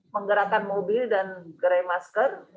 menggerakkan mobil dan gerai masker